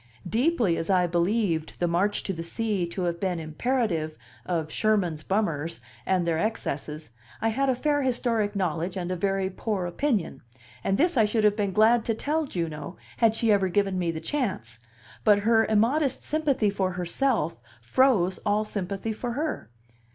Deeply as I believed the March to the Sea to have been imperative, of "Sherman's bummers" and their excesses I had a fair historic knowledge and a very poor opinion; and this I should have been glad to tell Juno, had she ever given me the chance; but her immodest sympathy for herself froze all sympathy for her.